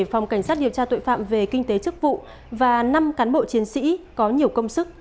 phòng cảnh sát điều tra tội phạm về kinh tế chức vụ và năm cán bộ chiến sĩ có nhiều công sức